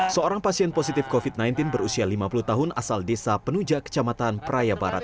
seorang pasien positif covid sembilan belas berusia lima puluh tahun asal desa penuja kecamatan praia barat